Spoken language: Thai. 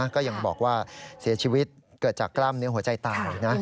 ก็ยังบอกว่าเสียชีวิตเกิดจากกล้ามเนื้อหัวใจตายนะ